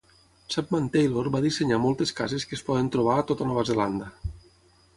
Chapman-Taylor va dissenyar moltes cases que es poden trobar a tota Nova Zelanda.